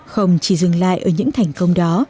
không chỉ dừng lại ở những thành công đó